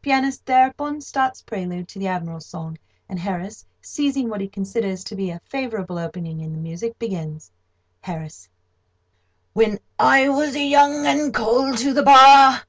Pianist, thereupon, starts prelude to the Admiral's song, and Harris, seizing what he considers to be a favourable opening in the music, begins.] HARRIS: "'When I was young and called to the Bar.